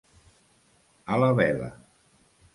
A la vela.